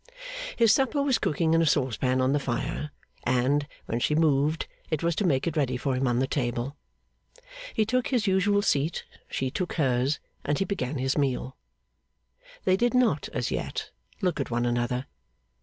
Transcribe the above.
His supper was cooking in a saucepan on the fire, and, when she moved, it was to make it ready for him on the table. He took his usual seat, she took hers, and he began his meal. They did not, as yet, look at one another.